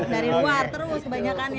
dari luar terus kebanyakannya